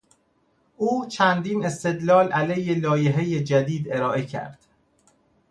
او چندین استدلال علیه لایحهی جدید ارائه کرد.